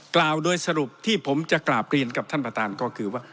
กล่าวโดยสรุปที่ผมจะกราบเรียนกับท่านประธานก็คือว่า